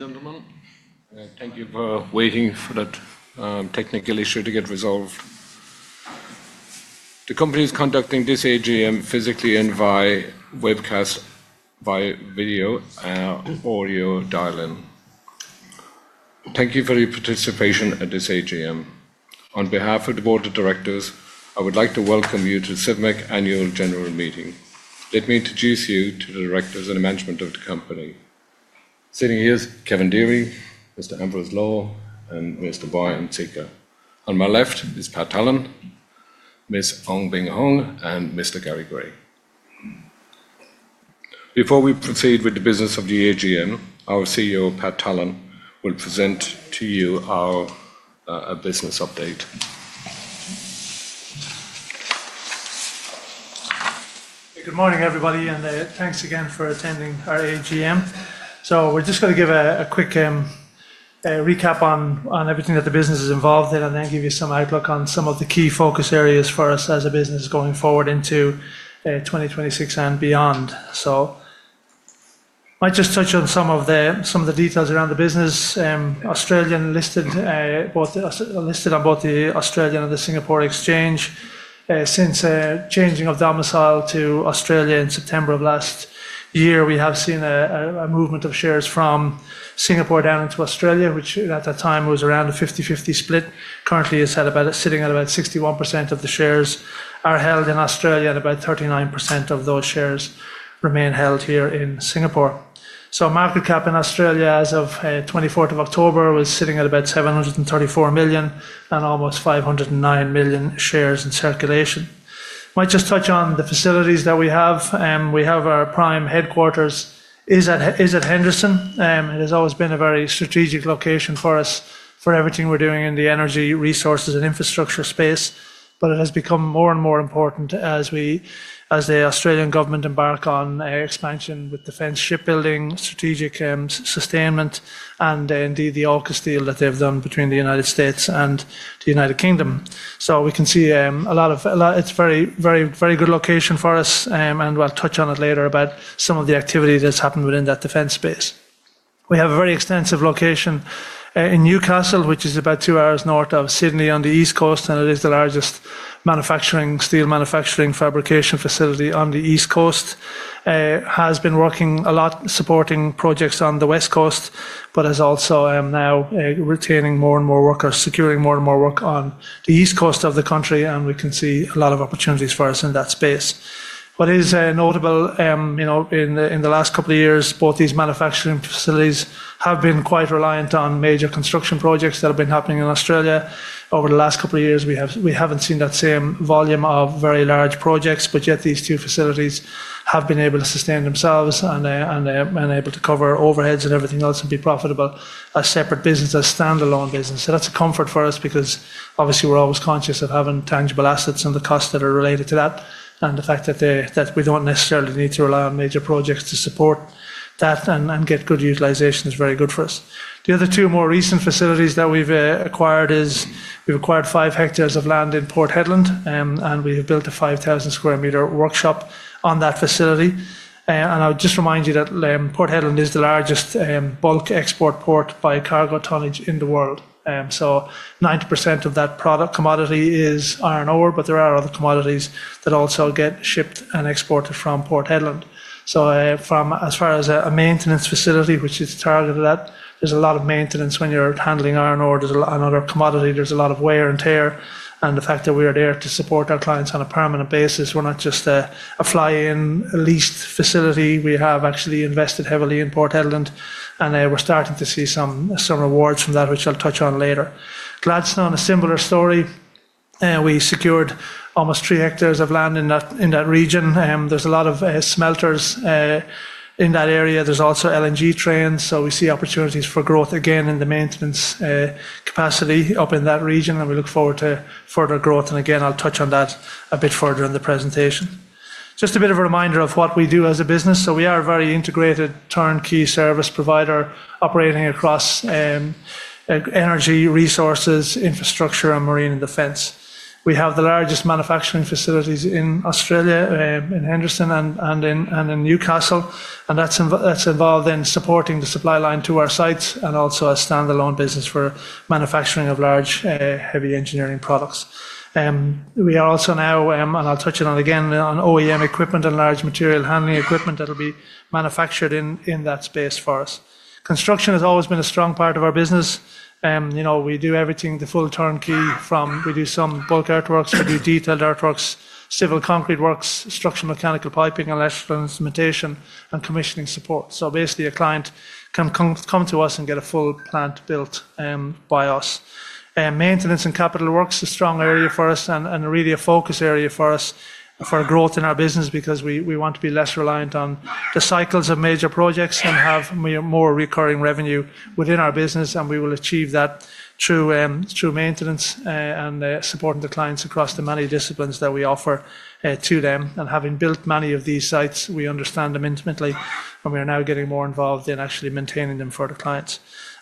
Gentlemen, thank you for waiting for that technical issue to get resolved. The company is conducting this AGM physically and by webcast, by video, audio dial-in. Thank you for your participation at this AGM. On behalf of the Board of Directors, I would like to welcome you to the Civmec annual general meeting. Let me introduce you to the Directors and the Management of the Company. Sitting here is Kevin Deery, Mr. Ambrose Law, and Mr. Bojan Cica. On my left is Pat Tallon, Ms. Ong Beng Hong, and Mr. Gary Gray. Before we proceed with the business of the AGM, our CEO, Pat Tallon, will present to you our business update. Good morning, everybody, and thanks again for attending our AGM. We're just going to give a quick recap on everything that the business is involved in and then give you some outlook on some of the key focus areas for us as a business going forward into 2026 and beyond. I might just touch on some of the details around the business. Australian listed on both the Australian and the Singapore Exchange. Since changing of domicile to Australia in September of last year, we have seen a movement of shares from Singapore down into Australia, which at that time was around a 50/50 split. Currently, it's sitting at about 61% of the shares are held in Australia, and about 39% of those shares remain held here in Singapore. Market cap in Australia as of the 24th of October was sitting at about 734 million and almost 509 million shares in circulation. I might just touch on the facilities that we have. We have our prime headquarters at Henderson. It has always been a very strategic location for us for everything we're doing in the energy, resources, and infrastructure space, but it has become more and more important as the Australian government embarks on expansion with defence shipbuilding, strategic sustainment, and indeed the AUKUS deal that they've done between the United States and the United Kingdom. We can see a lot of it's a very, very, very good location for us, and we'll touch on it later about some of the activity that's happened within that defence space. We have a very extensive location in Newcastle, which is about two hours north of Sydney on the East Coast, and it is the largest steel manufacturing fabrication facility on the East Coast. It has been working a lot supporting projects on the West Coast, but is also now retaining more and more workers, securing more and more work on the East Coast of the country, and we can see a lot of opportunities for us in that space. What is notable, in the last couple of years, both these manufacturing facilities have been quite reliant on major construction projects that have been happening in Australia. Over the last couple of years, we haven't seen that same volume of very large projects, but yet these two facilities have been able to sustain themselves and able to cover overheads and everything else and be profitable as separate businesses, standalone business. That's a comfort for us because obviously we're always conscious of having tangible assets and the costs that are related to that, and the fact that we don't necessarily need to rely on major projects to support that and get good utilization is very good for us. The other two more recent facilities that we've acquired are we've acquired five hectares of land in Port Hedland, and we have built a 5,000 square meter workshop on that facility. I'll just remind you that Port Hedland is the largest bulk export port by cargo tonnage in the world. 90% of that product commodity is iron ore, but there are other commodities that also get shipped and exported from Port Hedland. As far as a maintenance facility, which is targeted at, there's a lot of maintenance when you're handling iron ore. There's another commodity, there's a lot of wear and tear, and the fact that we are there to support our clients on a permanent basis, we're not just a fly-in leased facility. We have actually invested heavily in Port Hedland, and we're starting to see some rewards from that, which I'll touch on later. Gladstone, a similar story. We secured almost three hectares of land in that region. There's a lot of smelters in that area. There's also LNG trains, so we see opportunities for growth again in the maintenance capacity up in that region, and we look forward to further growth. I'll touch on that a bit further in the presentation. Just a bit of a reminder of what we do as a business. We are a very integrated turnkey service provider operating across energy, resources, infrastructure, and marine and defence. We have the largest manufacturing facilities in Australia, in Henderson and in Newcastle, and that's involved in supporting the supply line to our sites and also a standalone business for manufacturing of large heavy engineering products. We are also now, and I'll touch on it again, on OEM material handling equipment and large material handling equipment that will be manufactured in that space for us. Construction has always been a strong part of our business. We do everything, the full turnkey from we do some bulk artworks, we do detailed artworks, civil concrete works, structural mechanical piping, electrical instrumentation, and commissioning support. Basically, a client can come to us and get a full plant built by us. Maintenance and capital works is a strong area for us and really a focus area for us for growth in our business because we want to be less reliant on the cycles of major projects and have more recurring revenue within our business, and we will achieve that through maintenance and supporting the clients across the many disciplines that we offer to them. Having built many of these sites, we understand them intimately, and we are now getting more involved in actually maintaining them for the clients.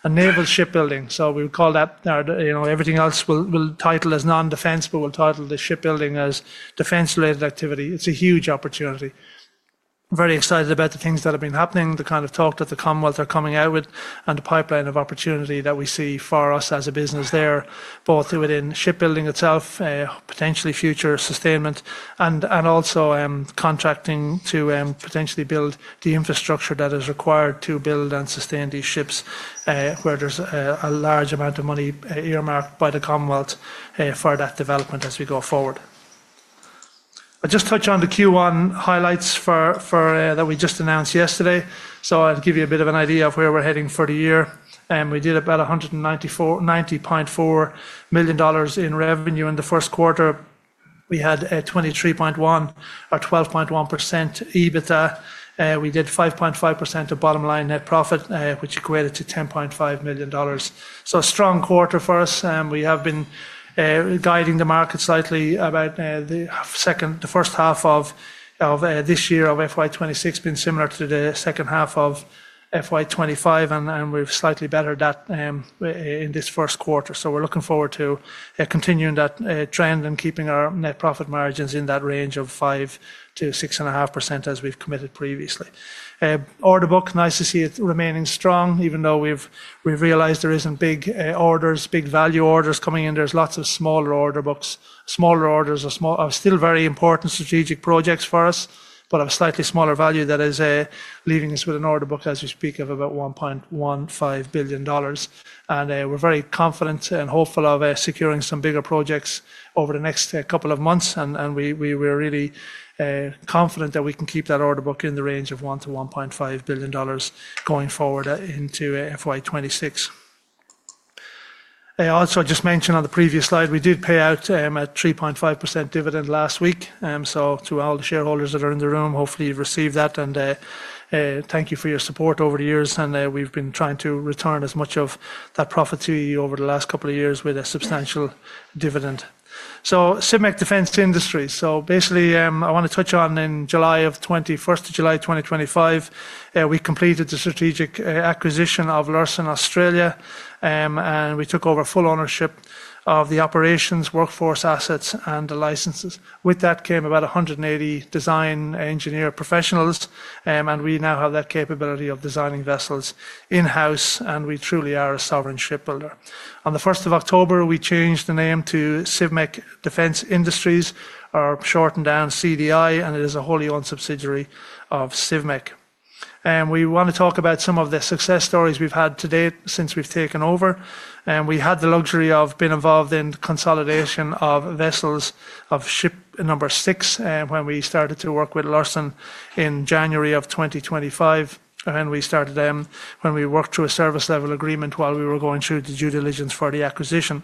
Naval shipbuilding, so we would call that everything else we'll title as non-defence, but we'll title the shipbuilding as defence-related activity. It's a huge opportunity. Very excited about the things that have been happening, the kind of talk that the Commonwealth are coming out with, and the pipeline of opportunity that we see for us as a business there, both within shipbuilding itself, potentially future sustainment, and also contracting to potentially build the infrastructure that is required to build and sustain these ships where there's a large amount of money earmarked by the Commonwealth for that development as we go forward. I'll just touch on the Q1 highlights that we just announced yesterday. I'll give you a bit of an idea of where we're heading for the year. We did about 90.4 million dollars in revenue in the first quarter. We had a 23.1%, or 12.1% EBITDA. We did 5.5% of bottom line net profit, which equated to 10.5 million dollars. A strong quarter for us. We have been guiding the market slightly about the first half of this year of FY 2026, being similar to the second half of FY 2025, and we've slightly bettered that in this first quarter. We're looking forward to continuing that trend and keeping our net profit margins in that range of 5%-6.5% as we've committed previously. Order book, nice to see it remaining strong, even though we've realized there isn't big orders, big value orders coming in. There's lots of smaller order books, smaller orders are still very important strategic projects for us, but of a slightly smaller value that is leaving us with an order book as we speak of about 1.15 billion dollars. We're very confident and hopeful of securing some bigger projects over the next couple of months, and we're really confident that we can keep that order book in the range of 1 billion-1.5 billion dollars going forward into FY 2026. Also, I just mentioned on the previous slide, we did pay out a 3.5% dividend last week. To all the shareholders that are in the room, hopefully you've received that, and thank you for your support over the years. We've been trying to return as much of that profit to you over the last couple of years with a substantial dividend. Civmec Defence Industries. I want to touch on, in July, on the 21st of July 2025, we completed the strategic acquisition of Luerssen Australia, and we took over full ownership of the operations, workforce, assets, and the licenses. With that came about 180 design engineer professionals, and we now have that capability of designing vessels in-house, and we truly are a sovereign shipbuilder. On the 1st of October, we changed the name to Civmec Defence Industries, or shortened down CDI, and it is a wholly owned subsidiary of Civmec. We want to talk about some of the success stories we've had to date since we've taken over. We had the luxury of being involved in consolidation of vessels of ship number six when we started to work with Luerssen in January of 2025, and we started them when we worked through a service-level agreement while we were going through the due diligence for the acquisition.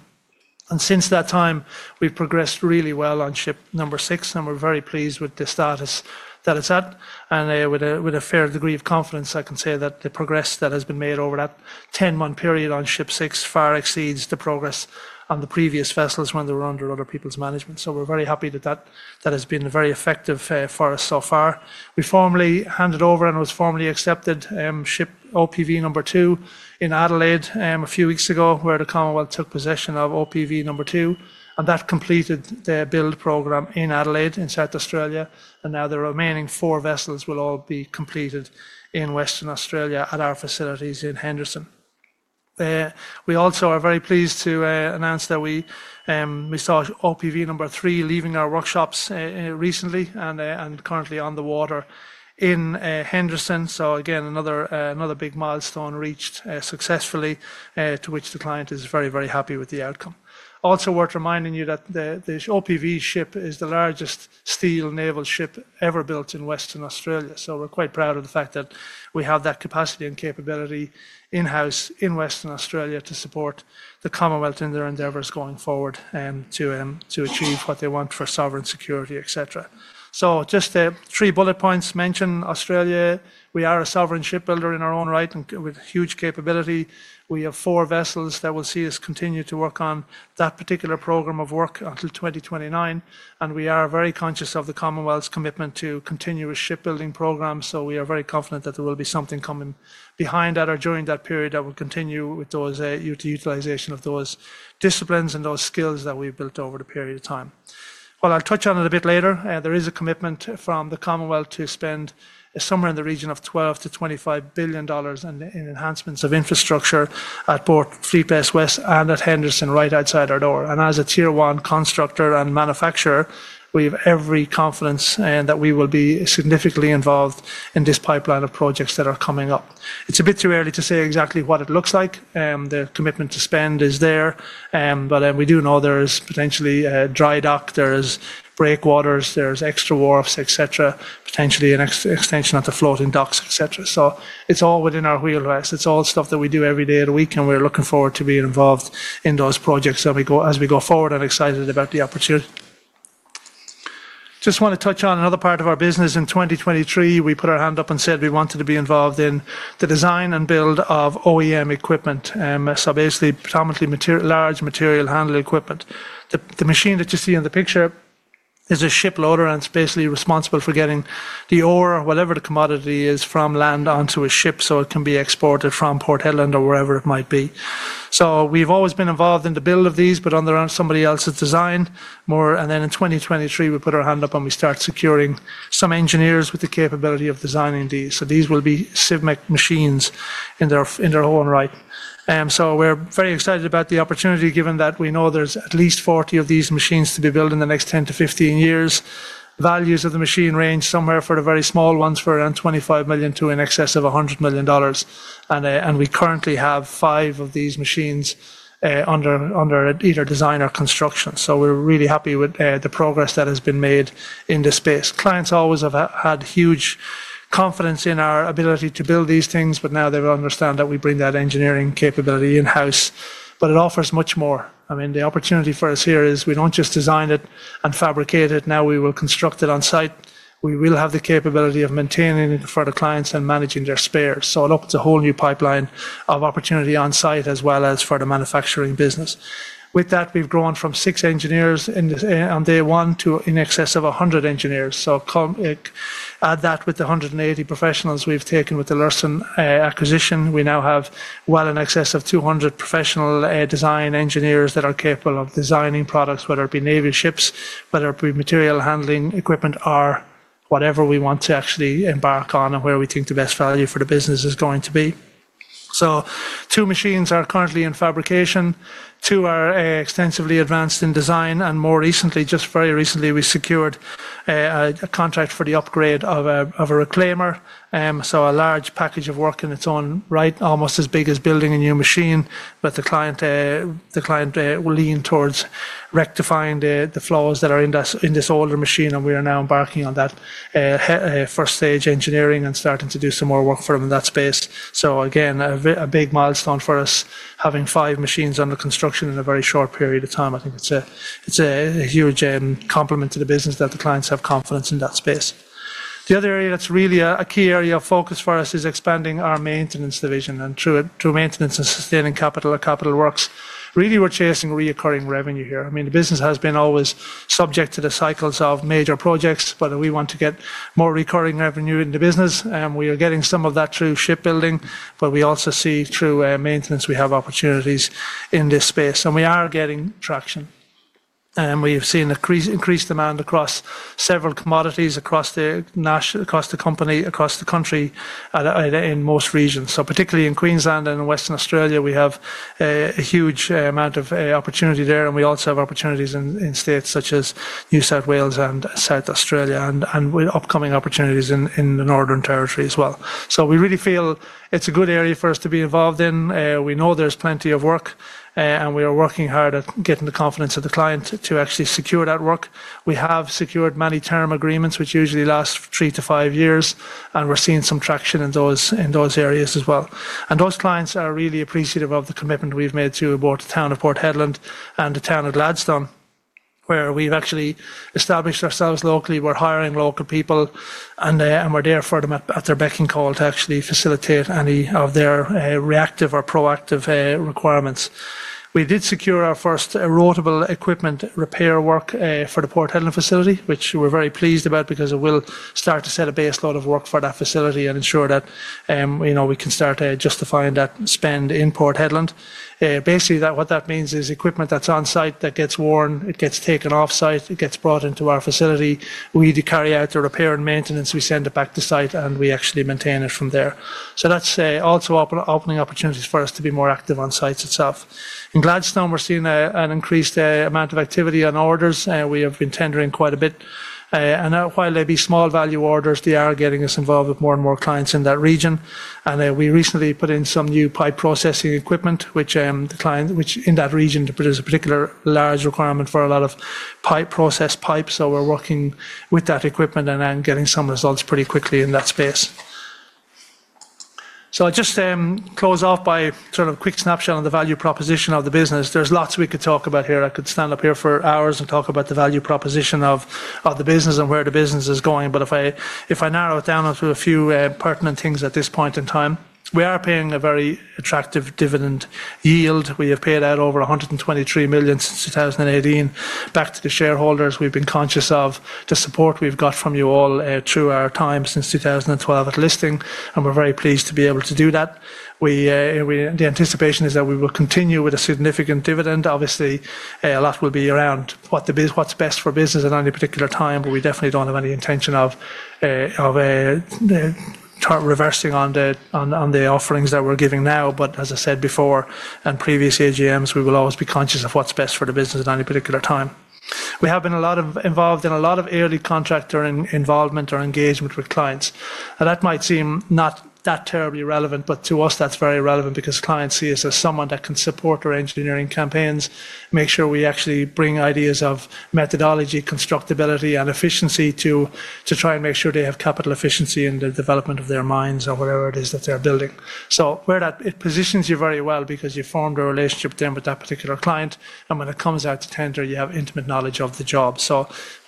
Since that time, we've progressed really well on ship number six, and we're very pleased with the status that it's at, and with a fair degree of confidence, I can say that the progress that has been made over that 10-month period on ship six far exceeds the progress on the previous vessels when they were under other people's management. We're very happy that that has been very effective for us so far. We formally handed over and it was formally accepted, ship OPV number two in Adelaide a few weeks ago where the Commonwealth took possession of OPV number two, and that completed the build program in Adelaide in South Australia. Now the remaining four vessels will all be completed in Western Australia at our facilities in Henderson. We also are very pleased to announce that we saw OPV number three leaving our workshops recently and currently on the water in Henderson. Again, another big milestone reached successfully to which the client is very, very happy with the outcome. Also, worth reminding you that the OPV ship is the largest steel naval ship ever built in Western Australia. We're quite proud of the fact that we have that capacity and capability in-house in Western Australia to support the Commonwealth in their endeavors going forward to achieve what they want for sovereign security, etc. Just three bullet points mentioned: Australia, we are a sovereign shipbuilder in our own right and with huge capability. We have four vessels that will see us continue to work on that particular program of work until 2029, and we are very conscious of the Commonwealth's commitment to continuous shipbuilding programs. We are very confident that there will be something coming behind that or during that period that will continue with the utilization of those disciplines and those skills that we've built over the period of time. I'll touch on it a bit later. There is a commitment from the Commonwealth to spend somewhere in the region of 12 billion-25 billion dollars in enhancements of infrastructure at Fleet Base West and at Henderson right outside our door. As a tier one constructor and manufacturer, we have every confidence that we will be significantly involved in this pipeline of projects that are coming up. It's a bit too early to say exactly what it looks like. The commitment to spend is there, but we do know there is potentially a dry dock, there are breakwaters, there are extra wharves, etc., potentially an extension of the floating docks, etc. It's all within our wheelhouse. It's all stuff that we do every day of the week, and we're looking forward to being involved in those projects as we go forward and excited about the opportunity. I just want to touch on another part of our business. In 2023, we put our hand up and said we wanted to be involved in the design and build of OEM equipment. Basically, predominantly large material handling equipment. The machine that you see in the picture is a ship loader, and it's basically responsible for getting the ore, whatever the commodity is, from land onto a ship so it can be exported from Port Hedland or wherever it might be. We've always been involved in the build of these, but under somebody else's design. In 2023, we put our hand up and we started securing some engineers with the capability of designing these. These will be Civmec machines in their own right. We're very excited about the opportunity given that we know there's at least 40 of these machines to be built in the next 10 to 15 years. Values of the machine range somewhere for the very small ones for around 25 million to in excess of 100 million dollars. We currently have five of these machines under either design or construction. We're really happy with the progress that has been made in this space. Clients always have had huge confidence in our ability to build these things, but now they will understand that we bring that engineering capability in-house. It offers much more. I mean, the opportunity for us here is we don't just design it and fabricate it. Now we will construct it on site. We will have the capability of maintaining it for the clients and managing their spares. It opens a whole new pipeline of opportunity on site as well as for the manufacturing business. With that, we've grown from six engineers on day one to in excess of 100 engineers. Add that with the 180 professionals we've taken with the Luerssen acquisition. We now have well in excess of 200 professional design engineers that are capable of designing products, whether it be navy ships, whether it be material handling equipment, or whatever we want to actually embark on and where we think the best value for the business is going to be. Two machines are currently in fabrication. Two are extensively advanced in design, and more recently, just very recently, we secured a contract for the upgrade of a reclaimer. A large package of work in its own right, almost as big as building a new machine, but the client will lean towards rectifying the flaws that are in this older machine, and we are now embarking on that first-stage engineering and starting to do some more work for them in that space. Again, a big milestone for us, having five machines under construction in a very short period of time. I think it's a huge compliment to the business that the clients have confidence in that space. The other area that's really a key area of focus for us is expanding our maintenance division. Through maintenance and sustaining capital or capital works, really we're chasing recurring revenue here. The business has been always subject to the cycles of major projects, whether we want to get more recurring revenue in the business. We are getting some of that through shipbuilding, but we also see through maintenance we have opportunities in this space. We are getting traction. We've seen increased demand across several commodities, across the company, across the country, and in most regions. Particularly in Queensland and in Western Australia, we have a huge amount of opportunity there, and we also have opportunities in states such as New South Wales and South Australia, with upcoming opportunities in the Northern Territory as well. We really feel it's a good area for us to be involved in. We know there's plenty of work, and we are working hard at getting the confidence of the client to actually secure that work. We have secured many term agreements, which usually last three to five years, and we're seeing some traction in those areas as well. Those clients are really appreciative of the commitment we've made to both the town of Port Hedland and the town of Gladstone, where we've actually established ourselves locally. We're hiring local people, and we're there for them at their beck and call to actually facilitate any of their reactive or proactive requirements. We did secure our first rotable equipment repair work for the Port Hedland facility, which we're very pleased about because it will start to set a baseload of work for that facility and ensure that we can start justifying that spend in Port Hedland. Basically, what that means is equipment that's on site that gets worn, it gets taken off site, it gets brought into our facility, we carry out the repair and maintenance, we send it back to site, and we actually maintain it from there. That's also opening opportunities for us to be more active on sites itself. In Gladstone, we're seeing an increased amount of activity on orders. We have been tendering quite a bit. While they may be small value orders, they are getting us involved with more and more clients in that region. We recently put in some new pipe processing equipment, which in that region, there is a particular large requirement for a lot of process pipes. We're working with that equipment and getting some results pretty quickly in that space. I'll just close off by giving a quick snapshot on the value proposition of the business. There's lots we could talk about here. I could stand up here for hours and talk about the value proposition of the business and where the business is going. If I narrow it down to a few pertinent things at this point in time, we are paying a very attractive dividend yield. We have paid out over 123 million since 2018 back to the shareholders. We've been conscious of the support we've got from you all through our time since 2012 at listing, and we're very pleased to be able to do that. The anticipation is that we will continue with a significant dividend. Obviously, a lot will be around what's best for business at any particular time, but we definitely don't have any intention of reversing on the offerings that we're giving now. As I said before and previous AGMs, we will always be conscious of what's best for the business at any particular time. We have been involved in a lot of early contractor involvement or engagement with clients. That might seem not that terribly relevant, but to us, that's very relevant because clients see us as someone that can support our engineering campaigns, make sure we actually bring ideas of methodology, constructability, and efficiency to try and make sure they have capital efficiency in the development of their mines or whatever it is that they're building. Where that positions you very well because you formed a relationship with them with that particular client, and when it comes out to tender, you have intimate knowledge of the job.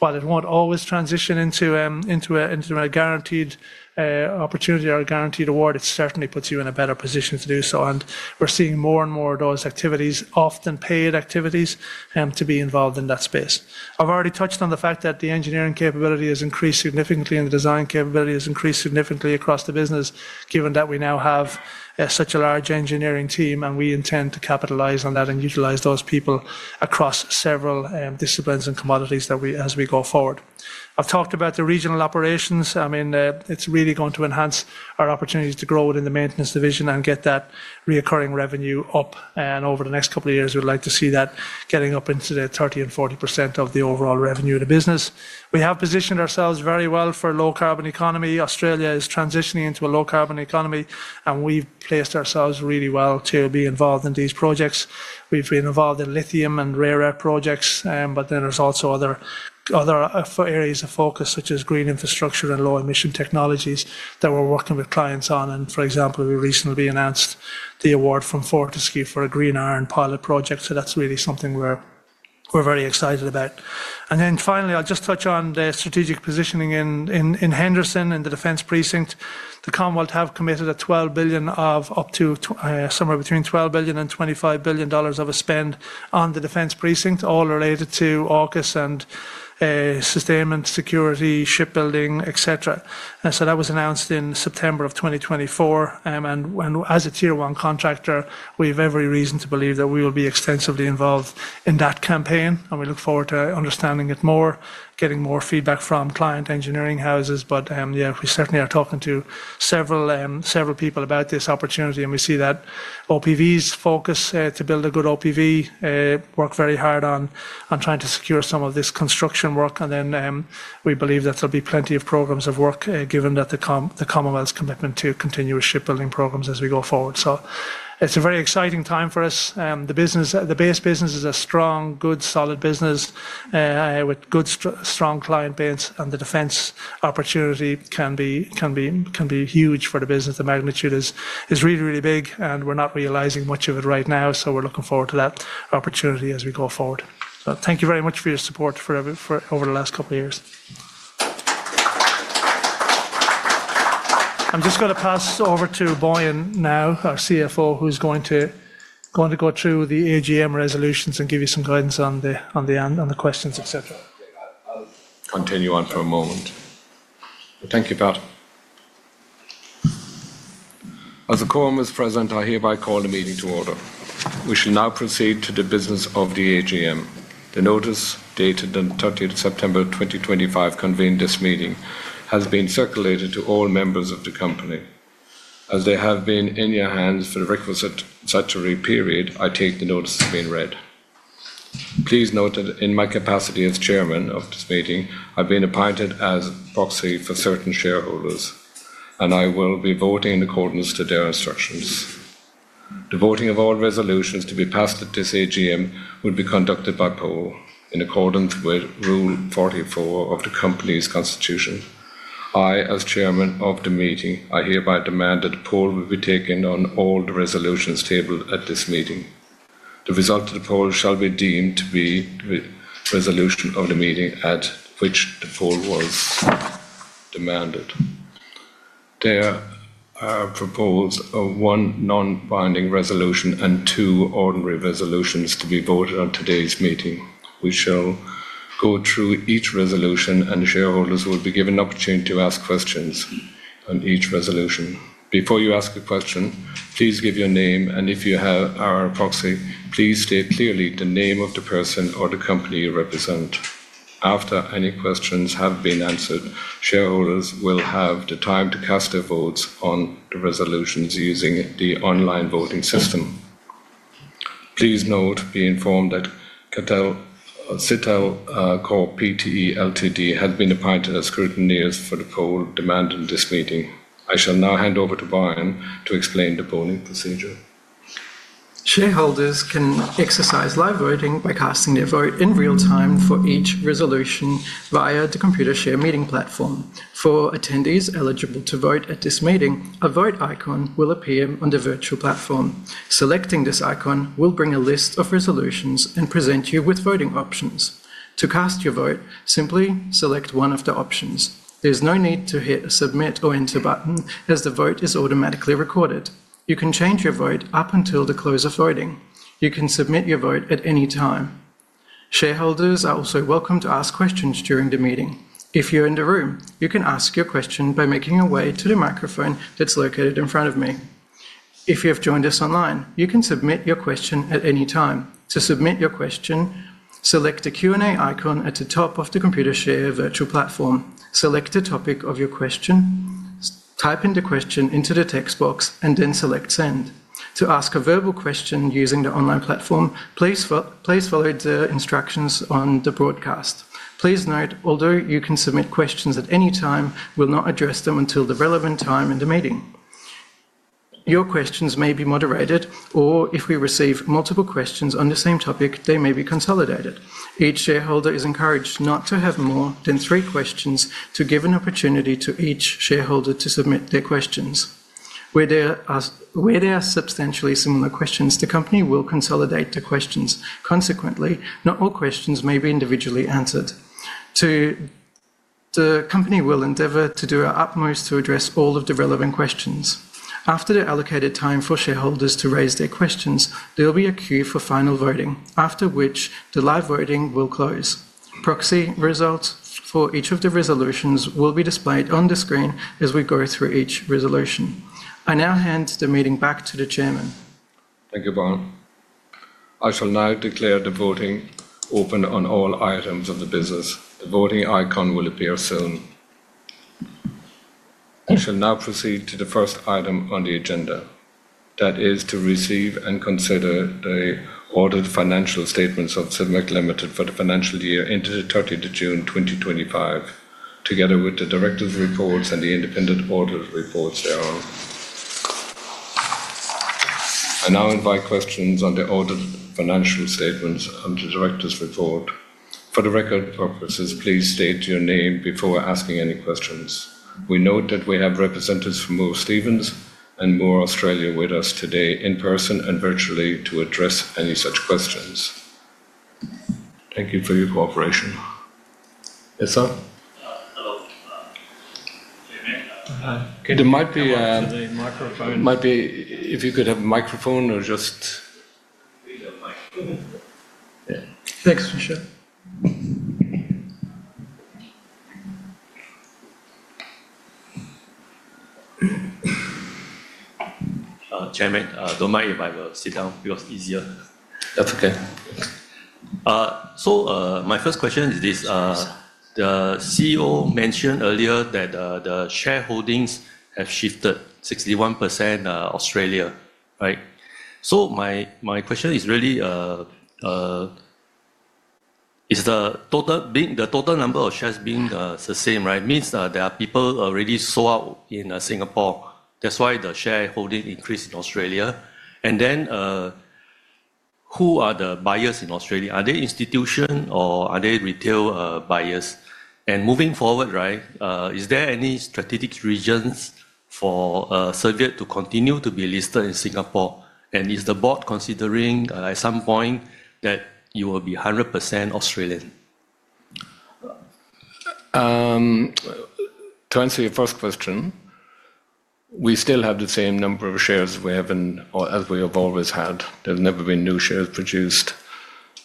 While it won't always transition into a guaranteed opportunity or a guaranteed award, it certainly puts you in a better position to do so. We're seeing more and more of those activities, often paid activities, to be involved in that space. I've already touched on the fact that the engineering capability has increased significantly and the design capability has increased significantly across the business, given that we now have such a large engineering team and we intend to capitalize on that and utilize those people across several disciplines and commodities as we go forward. I've talked about the regional operations. It's really going to enhance our opportunities to grow within the maintenance division and get that reoccurring revenue up. Over the next couple of years, we'd like to see that getting up into the 30% and 40% of the overall revenue in the business. We have positioned ourselves very well for a low-carbon economy. Australia is transitioning into a low-carbon economy, and we've placed ourselves really well to be involved in these projects. We've been involved in lithium and rare earths projects, but then there's also other areas of focus, such as green infrastructure and low-emission technologies that we're working with clients on. For example, we recently announced the award from Fortescue for a green iron pilot project. That's really something we're very excited about. Finally, I'll just touch on the strategic positioning in Henderson in the defence precinct. The Commonwealth has committed 12 billion of up to somewhere between 12 billion and 25 billion dollars of a spend on the defence precinct, all related to AUKUS and sustainment, security, shipbuilding, etc. That was announced in September 2024. As a tier one contractor, we have every reason to believe that we will be extensively involved in that campaign, and we look forward to understanding it more, getting more feedback from client engineering houses. We certainly are talking to several people about this opportunity, and we see that OPVs focus to build a good OPV, work very hard on trying to secure some of this construction work. We believe that there'll be plenty of programs of work given the Commonwealth's commitment to continuous shipbuilding programs as we go forward. It's a very exciting time for us. The business, the base business is a strong, good, solid business with good, strong client base, and the defence opportunity can be huge for the business. The magnitude is really, really big, and we're not realizing much of it right now. We're looking forward to that opportunity as we go forward. Thank you very much for your support over the last couple of years. I'm just going to pass over to Bojan now, our CFO, who's going to go through the AGM resolutions and give you some guidance on the questions, etc. I'll continue on for a moment. Thank you, Pat. As the Commonwealth is present, I hereby call the meeting to order. We shall now proceed to the business of the AGM. The notice dated 30th of September 2025 convened this meeting and has been circulated to all members of the company. As they have been in your hands for the requisite statutory period, I take the notice has been read. Please note that in my capacity as Chairman of this meeting, I've been appointed as proxy for certain shareholders, and I will be voting in accordance with their instructions. The voting of all resolutions to be passed at this AGM will be conducted by poll in accordance with Rule 44 of the company's constitution. I, as Chairman of the meeting, hereby demand that the poll be taken on all the resolutions tabled at this meeting. The result of the poll shall be deemed to be the resolution of the meeting at which the poll was demanded. There are proposals of one non-binding resolution and two ordinary resolutions to be voted on at today's meeting. We shall go through each resolution, and the shareholders will be given an opportunity to ask questions on each resolution. Before you ask a question, please give your name, and if you are a proxy, please state clearly the name of the person or the company you represent. After any questions have been answered, shareholders will have the time to cast their votes on the resolutions using the online voting system. Please note, be informed that Citel Corp Pte Ltd has been appointed as scrutineers for the poll demanded at this meeting. I shall now hand over to Bojan to explain the voting procedure. Shareholders can exercise live voting by casting their vote in real time for each resolution via the computer shared meeting platform. For attendees eligible to vote at this meeting, a vote icon will appear on the virtual platform. Selecting this icon will bring a list of resolutions and present you with voting options. To cast your vote, simply select one of the options. There's no need to hit a submit or enter button as the vote is automatically recorded. You can change your vote up until the close of voting. You can submit your vote at any time. Shareholders are also welcome to ask questions during the meeting. If you're in the room, you can ask your question by making your way to the microphone that's located in front of me. If you have joined us online, you can submit your question at any time. To submit your question, select the Q&A icon at the top of the computer shared virtual platform. Select the topic of your question, type in the question into the text box, and then select send. To ask a verbal question using the online platform, please follow the instructions on the broadcast. Please note, although you can submit questions at any time, we'll not address them until the relevant time in the meeting. Your questions may be moderated, or if we receive multiple questions on the same topic, they may be consolidated. Each shareholder is encouraged not to have more than three questions to give an opportunity to each shareholder to submit their questions. Where they ask substantially similar questions, the company will consolidate the questions. Consequently, not all questions may be individually answered. The company will endeavor to do our utmost to address all of the relevant questions. After the allocated time for shareholders to raise their questions, there will be a queue for final voting, after which the live voting will close. Proxy results for each of the resolutions will be displayed on the screen as we go through each resolution. I now hand the meeting back to the Chairman. Thank you, Bojan. I shall now declare the voting open on all items of the business. The voting icon will appear soon. I shall now proceed to the first item on the agenda. That is to receive and consider the audited financial statements of Civmec Limited for the financial year ended 30th of June 2025, together with the Directors' Reports and the Independent Auditors' Reports thereof. I now invite questions on the audited financial statements under Directors' Report. For record purposes, please state your name before asking any questions. We note that we have representatives from Moore Stephens and Moore Australia with us today in person and virtually to address any such questions. Thank you for your cooperation. Yes, sir? Hello. Hi, okay, there might be a... The microphone. It might be, if you could have a microphone or just... We don't like. Thanks, Mr. Chairman. Don't mind if I will sit down. It feels easier. That's okay. My first question is this. The CEO mentioned earlier that the shareholdings have shifted 61% to Australia, right? My question is really, is the total number of shares being the same, right? It means there are people already sold out in Singapore. That's why the shareholding increased in Australia. Who are the buyers in Australia? Are they institutions or are they retail buyers? Moving forward, is there any strategic reasons for Civmec to continue to be listed in Singapore? Is the board considering at some point that you will be 100% Australian? To answer your first question, we still have the same number of shares as we have always had. There's never been new shares produced.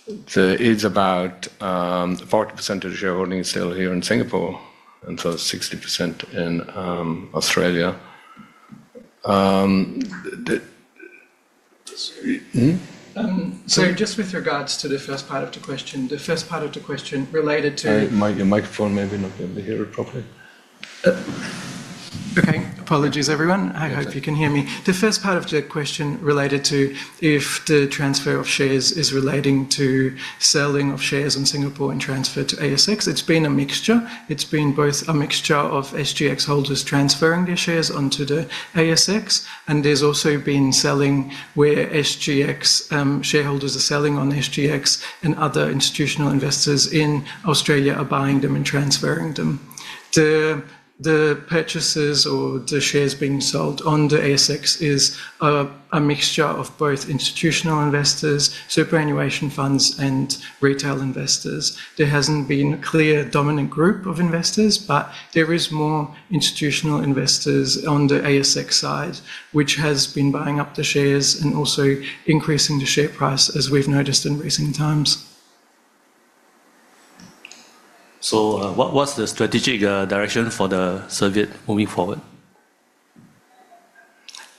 It's about 40% of the shareholding is still here in Singapore, and 60% in Australia. Sir, with regards to the first part of the question, the first part of the question related to... Your microphone may not be able to hear it properly. Okay, apologies everyone. I hope you can hear me. The first part of the question related to if the transfer of shares is relating to selling of shares in Singapore and transfer to ASX, it's been a mixture. It's been both a mixture of SGX holders transferring their shares onto the ASX, and there's also been selling where SGX shareholders are selling on SGX and other institutional investors in Australia are buying them and transferring them. The purchases or the shares being sold on the ASX are a mixture of both institutional investors, superannuation funds, and retail investors. There hasn't been a clear dominant group of investors, but there are more institutional investors on the ASX side, which has been buying up the shares and also increasing the share price, as we've noticed in recent times. What was the strategic direction for Civmec moving forward?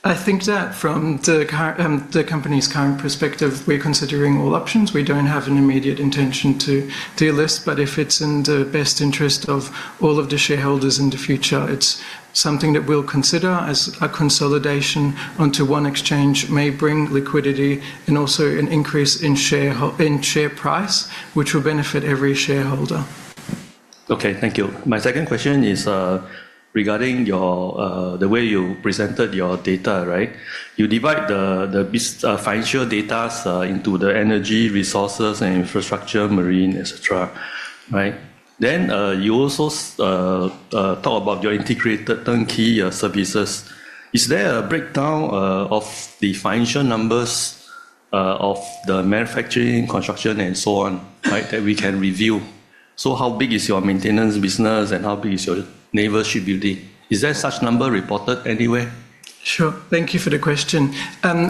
I think that from the company's current perspective, we're considering all options. We don't have an immediate intention to delist, but if it's in the best interest of all of the shareholders in the future, it's something that we'll consider as a consolidation onto one exchange may bring liquidity and also an increase in share price, which will benefit every shareholder. Okay, thank you. My second question is regarding the way you presented your data, right? You divide the financial data into the energy, resources, and infrastructure, marine, etc., right? You also talk about your integrated turnkey services. Is there a breakdown of the financial numbers of the manufacturing, construction, and so on that we can review? How big is your maintenance business and how big is your neighbor shipbuilding? Is there such number reported anywhere? Sure, thank you for the question.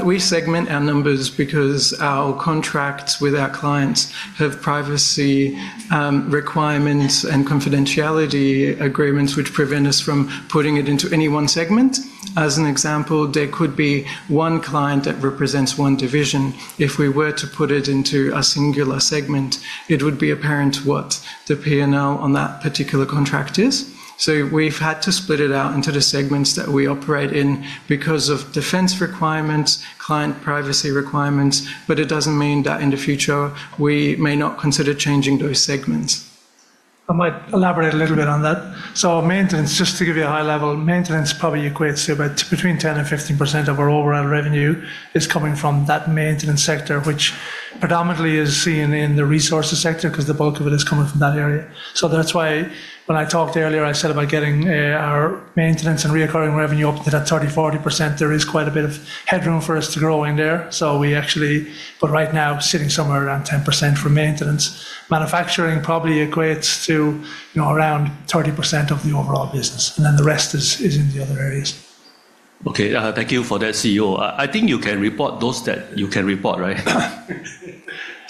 We segment our numbers because our contracts with our clients have privacy requirements and confidentiality agreements which prevent us from putting it into any one segment. As an example, there could be one client that represents one division. If we were to put it into a singular segment, it would be apparent what the P&L on that particular contract is. We've had to split it out into the segments that we operate in because of defence requirements and client privacy requirements, but it doesn't mean that in the future we may not consider changing those segments. I might elaborate a little bit on that. Maintenance, just to give you a high level, probably equates to about between 10% and 15% of our overall revenue coming from that maintenance sector, which predominantly is seen in the resources sector because the bulk of it is coming from that area. That's why when I talked earlier, I said about getting our maintenance and reoccurring revenue up to that 30%-40%, there is quite a bit of headroom for us to grow in there. Right now, we're actually sitting somewhere around 10% for maintenance. Manufacturing probably equates to around 30% of the overall business, and then the rest is in the other areas. Okay, thank you for that, CEO. I think you can report those that you can report, right?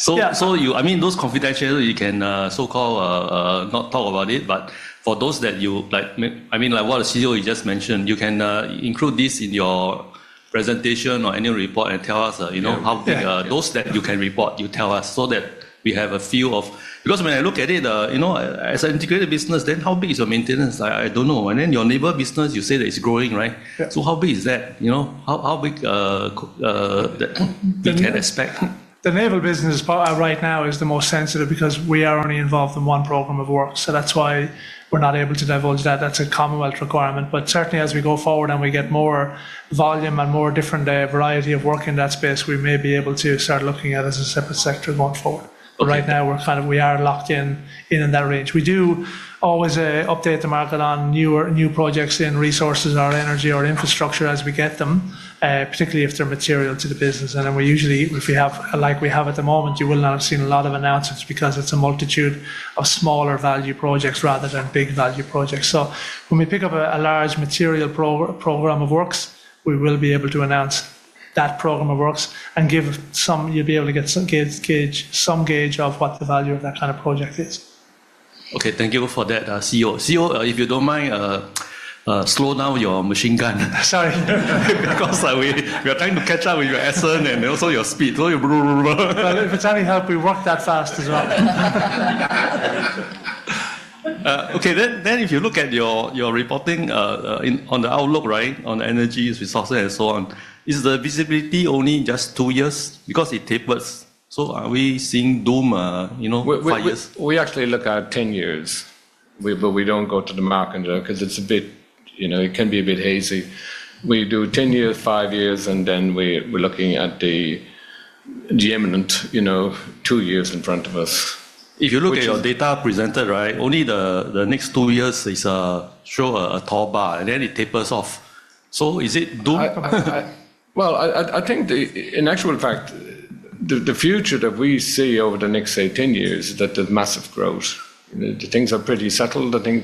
I mean, those confidential, you can not talk about it, but for those that you like, I mean, like what the CEO just mentioned, you can include this in your presentation or annual report and tell us, you know, how big are those that you can report, you tell us so that we have a feel of, because when I look at it, you know, as an integrated business, then how big is your maintenance? I don't know. Then your neighbor business, you say that it's growing, right? How big is that? You know, how big can I expect? The neighbor business right now is the most sensitive because we are only involved in one program of work. That is why we're not able to divulge that. That's a Commonwealth requirement. Certainly, as we go forward and we get more volume and more different variety of work in that space, we may be able to start looking at it as a separate sector going forward. Right now, we're kind of, we are locked in in that range. We do always update the market on new projects in resources or energy or infrastructure as we get them, particularly if they're material to the business. Usually, if we have like we have at the moment, you will not have seen a lot of announcements because it's a multitude of smaller value projects rather than big value projects. When we pick up a large material program of works, we will be able to announce that program of works and give some, you'll be able to get some gauge of what the value of that kind of project is. Okay, thank you for that, CEO. CEO, if you don't mind, slow down your machine gun. Sorry. Because we are trying to catch up with your accent and also your speed. If it's any help, we rock that fast as well. Okay, if you look at your reporting on the outlook, right, on energy, resources, and so on, is the visibility only just two years because it tapers? Are we seeing doom, you know, five years? We actually look at 10 years, but we don't go to the market because it's a bit, you know, it can be a bit hazy. We do 10 years, five years, and then we're looking at the imminent, you know, two years in front of us. If you look at your data presented, right, only the next two years show a tall bar, and then it tapers off. Is it doom? I think in actual fact, the future that we see over the next, say, 10 years is that there's massive growth. Things are pretty settled, I think,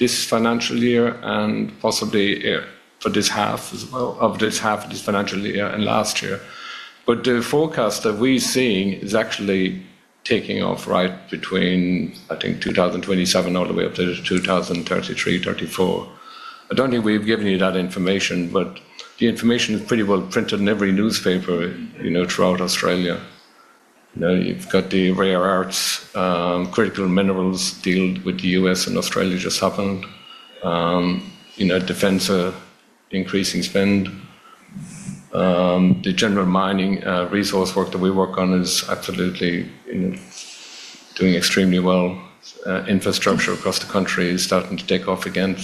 this financial year and possibly for this half as well, this half of this financial year and last year. The forecast that we're seeing is actually taking off right between, I think, 2027 all the way up to 2033, 2034. I don't think we've given you that information, but the information is pretty well printed in every newspaper, you know, throughout Australia. You've got the rare earths, critical minerals deal with the U.S. and Australia just happened. You know, defence are increasing spend. The general mining resource work that we work on is absolutely, you know, doing extremely well. Infrastructure across the country is starting to take off again.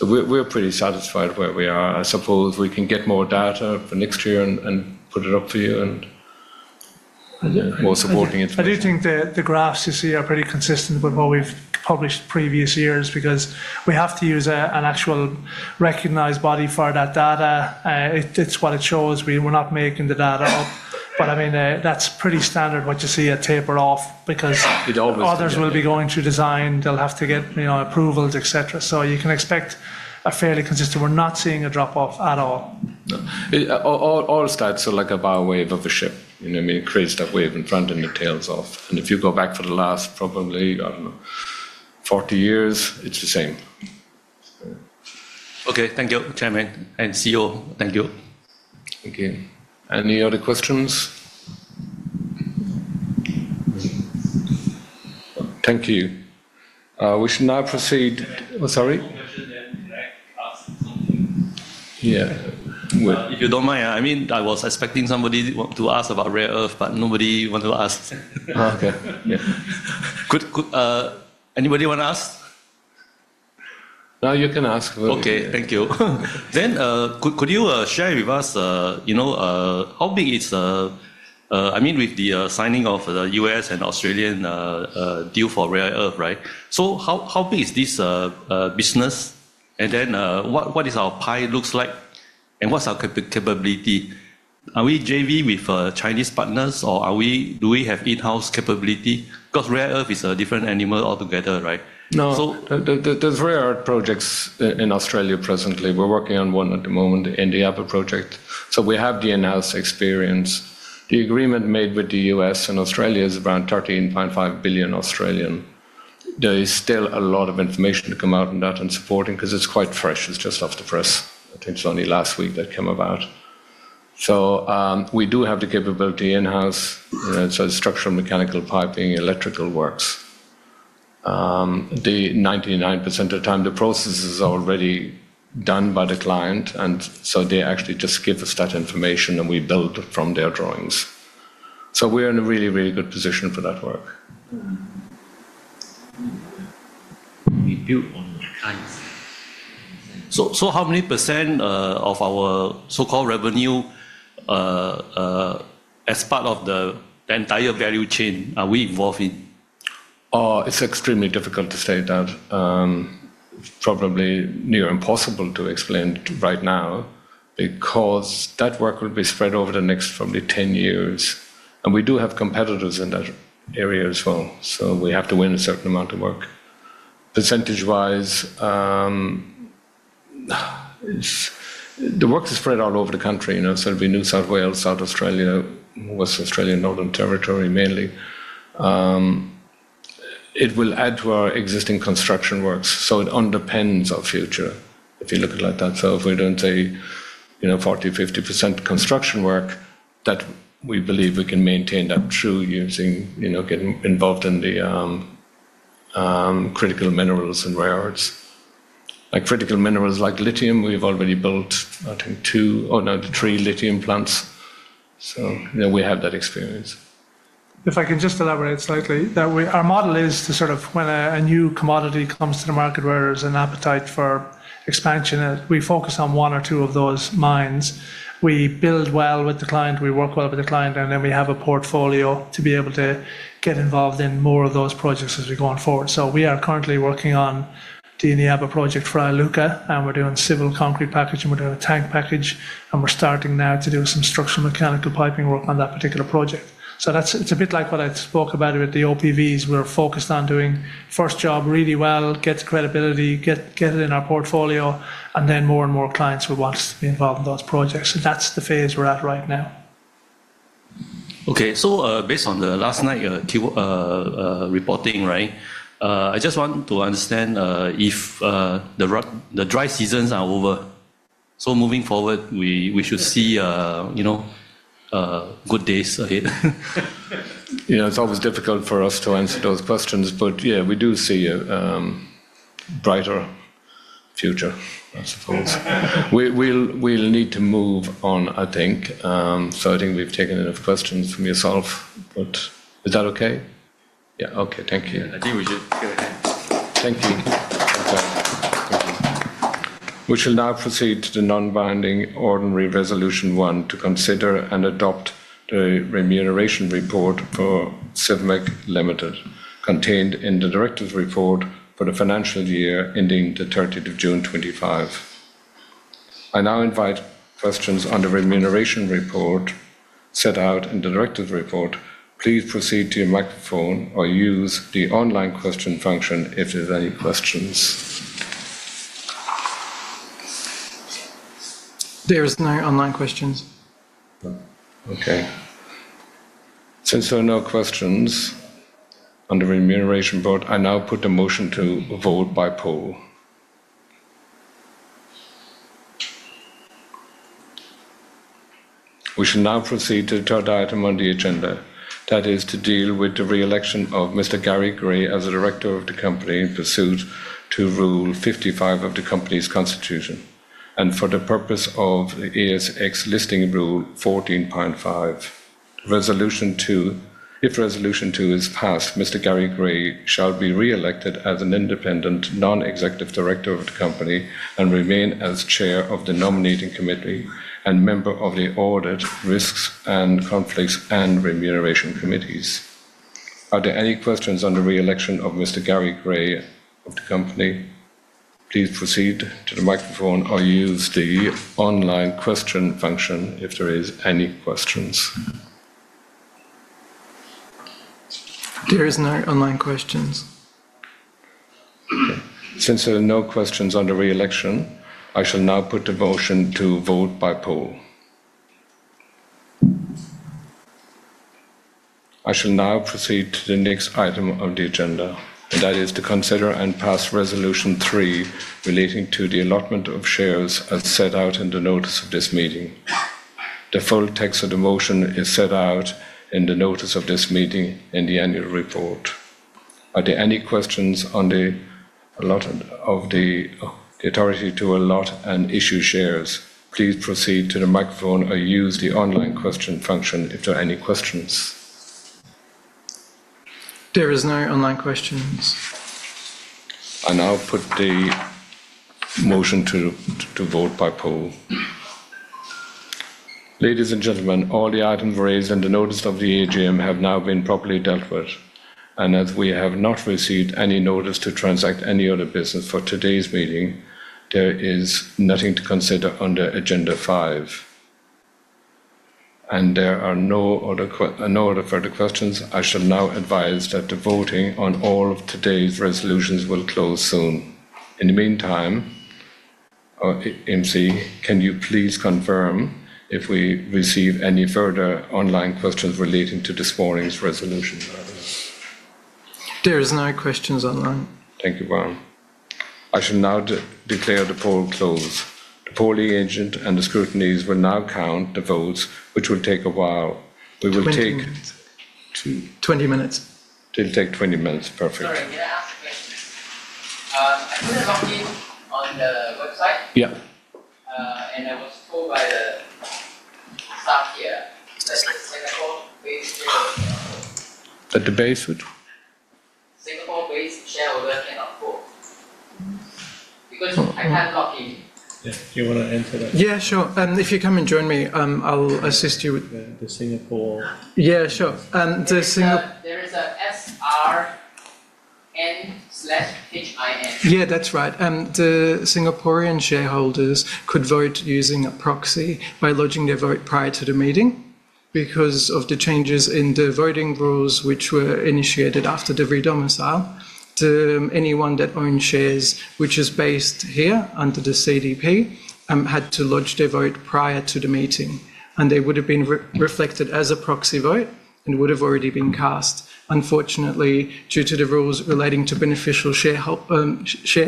We're pretty satisfied where we are. I suppose we can get more data for next year and put it up for you and more supporting information. I do think that the graphs you see are pretty consistent with what we've published previous years because we have to use an actual recognized body for that data. It's what it shows. We're not making the data up. That's pretty standard; you see a taper off because others will be going through design. They'll have to get approvals, etc. You can expect a fairly consistent... We're not seeing a drop-off at all. All stats are like a bow wave of a ship. You know, we increase that wave in front and it tails off. If you go back for the last probably, I don't know, 40 years, it's the same. Okay, thank you, Chairman and CEO. Thank you. Thank you. Any other questions? Thank you. We should now proceed. Oh, sorry. Yeah, if you don't mind, I mean, I was expecting somebody to ask about rare earths, but nobody wanted to ask. Okay. Anybody want to ask? No, you can ask. Okay, thank you. Could you share with us, you know, how big is... I mean, with the signing of the U.S. and Australian deal for rare earth, right? How big is this business? What does our pie look like? What's our capability? Are we JV with Chinese partners or do we have in-house capability? Rare earth is a different animal altogether, right? No, the rare earth projects in Australia presently, we're working on one at the moment, the India project. We have the in-house experience. The agreement made with the U.S. and Australia is around 30.5 billion. There is still a lot of information to come out on that and supporting because it's quite fresh. It's just off the press. I think it's only last week that came about. We do have the capability in-house. It's structural, mechanical, piping, electrical works. 99% of the time, the process is already done by the client, and they actually just give us that information and we build from their drawings. We're in a really, really good position for that work. How many percent of our so-called revenue as part of the entire value chain are we involved in? Oh, it's extremely difficult to say that. Probably near impossible to explain right now because that work will be spread over the next probably 10 years. We do have competitors in that area as well. We have to win a certain amount of work. Percentage-wise, the work is spread all over the country, you know, it'll be New South Wales, South Australia, Western Australia, Northern Territory mainly. It will add to our existing construction works. It underpins our future if you look at it like that. If we don't say, you know, 40%, 50% construction work, we believe we can maintain that through using, you know, getting involved in the critical minerals and rare earths. Like critical minerals like lithium, we've already built, I think, two, oh no, three lithium plants. We have that experience. If I can just elaborate slightly, our model is to sort of when a new commodity comes to the market where there's an appetite for expansion, we focus on one or two of those mines. We build well with the client, we work well with the client, and then we have a portfolio to be able to get involved in more of those projects as we go on forward. We are currently working on the India project for ALUCA, and we're doing civil concrete packaging, we're doing a tank package, and we're starting now to do some structural mechanical piping work on that particular project. It's a bit like what I spoke about with the OPVs. We're focused on doing first job really well, get credibility, get it in our portfolio, and then more and more clients would want us to be involved in those projects. That's the phase we're at right now. Okay, based on the last night reporting, I just want to understand if the dry seasons are over. Moving forward, we should see, you know, good days ahead. Yeah, it's always difficult for us to answer those questions, but yeah, we do see a brighter future, I suppose. We'll need to move on, I think. I think we've taken enough questions from yourself, but is that okay? Yeah, okay, thank you. I think we should go ahead. Thank you. Okay, thank you. We shall now proceed to the non-binding ordinary resolution one to consider and adopt the remuneration report for Civmec Limited contained in the director's report for the financial year ending June 30, 2025. I now invite questions on the remuneration report set out in the director's report. Please proceed to your microphone or use the online question function if there are any questions. There are no online questions. Okay. Since there are no questions on the remuneration report, I now put a motion to vote by poll. We shall now proceed to the third item on the agenda. That is to deal with the reelection of Mr. Gary Gray as a Director of the company pursuant to Rule 55 of the company's constitution and for the purpose of the ASX Listing Rule 14.5. If Resolution 2 is passed, Mr. Gary Gray shall be reelected as an independent non-executive Director of the company and remain as Chair of the Nominating Committee and member of the Audit, Risks, and Conflicts, and Remuneration Committees. Are there any questions on the reelection of Mr. Gary Gray of the company? Please proceed to the microphone or use the online question function if there are any questions. There are no online questions. Since there are no questions on the reelection, I shall now put a motion to vote by poll. I shall now proceed to the next item of the agenda, and that is to consider and pass Resolution 3 relating to the allotment of shares as set out in the notice of this meeting. The full text of the motion is set out in the notice of this meeting and the annual report. Are there any questions on the allotment of the authority to allot and issue shares? Please proceed to the microphone or use the online question function if there are any questions. There are no online questions. I now put the motion to vote by poll. Ladies and gentlemen, all the items raised in the notice of the AGM have now been properly dealt with, and as we have not received any notice to transact any other business for today's meeting, there is nothing to consider under agenda five. There are no other further questions. I shall now advise that the voting on all of today's resolutions will close soon. In the meantime, our MC, can you please confirm if we receive any further online questions relating to this morning's resolution? There are no questions online. Thank you, Bojan. I shall now declare the poll closed. The polling agent and the scrutineers will now count the votes, which will take a while. We will take. 20 minutes. It'll take 20 minutes. Perfect. Sorry, may I ask a question? I put a login on the website. Yeah. I was told by the staff here that the Singapore-based Chair cannot vote. That the base would? Singapore-based shareholder cannot vote because I can't log in. Do you want to answer that? Yeah, sure. If you come and join me, I'll assist you. The Singapore. Yeah, sure. There is a SRN/HIN. Yeah, that's right. The Singaporean shareholders could vote using a proxy by lodging their vote prior to the meeting because of the changes in the voting rules which were initiated after the re-domicile. Anyone that owned shares which is based here under the CDP had to lodge their vote prior to the meeting, and they would have been reflected as a proxy vote and would have already been cast. Unfortunately, due to the rules relating to beneficial share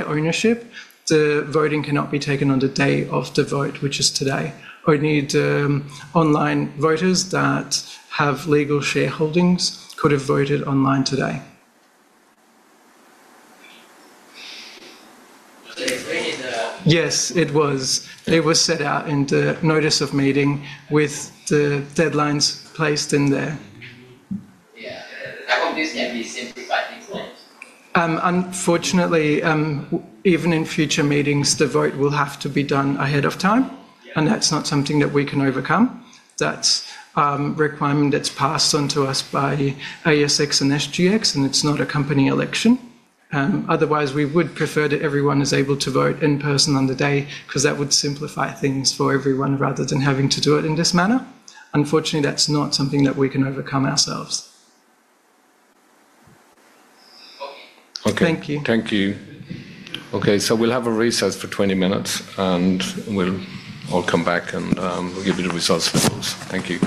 ownership, the voting cannot be taken on the day of the vote, which is today. Only the online voters that have legal shareholdings could have voted online today. Was there a training? Yes, it was. It was set out in the notice of meeting, with the deadlines placed in there. Yeah, that would just then be simplified. Unfortunately, even in future meetings, the vote will have to be done ahead of time, and that's not something that we can overcome. That's a requirement that's passed on to us by ASX and SGX, and it's not a company election. Otherwise, we would prefer that everyone is able to vote in person on the day because that would simplify things for everyone rather than having to do it in this manner. Unfortunately, that's not something that we can overcome ourselves. Okay. Thank you. Thank you. Okay, we'll have a recess for 20 minutes, and we'll all come back and we'll give you the results of the polls. Thank you.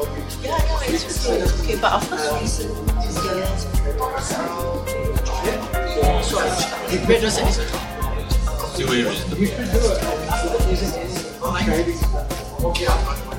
Welcome.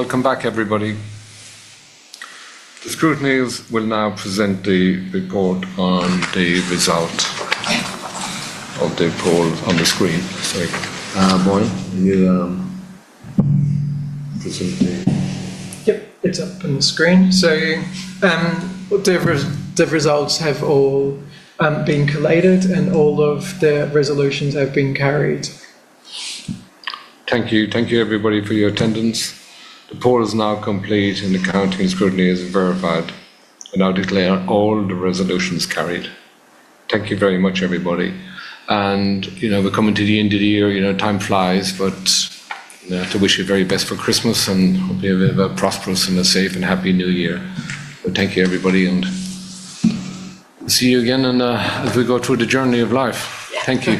Welcome back, everybody. The scrutineers will now present the report on the result of the report on the screen. So, Bojan, are you? Yep, it's up on the screen. The results have all been collated, and all of the resolutions have been carried. Thank you. Thank you, everybody, for your attendance. The report is now complete, and the counting scrutineers have verified. I'll declare all the resolutions carried. Thank you very much, everybody. We're coming to the end of the year. Time flies, but I have to wish you the very best for Christmas, and hope you have a prosperous, safe, and happy new year. Thank you, everybody, and see you again as we go through the journey of life. Thank you.